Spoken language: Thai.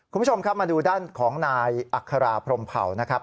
คุณผู้ชมครับมาดูด้านของนายอัคราพรมเผานะครับ